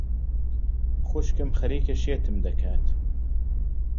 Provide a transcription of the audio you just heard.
خوشکم خەریکە شێتم دەکات.